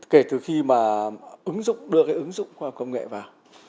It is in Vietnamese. kể từ khi đưa ứng dụng công nghệ vào